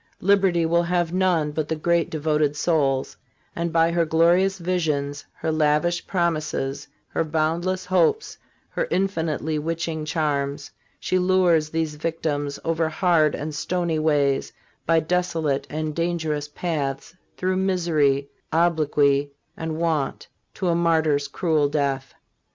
Liberty will have none but the great devoted souls, and by her glorious visions, her lavish promises, her boundless hopes, her infinitely witching charms, she lures these victims over hard and stony ways, by desolate and dangerous paths, through misery, obloquy and want to a martyr's cruel death.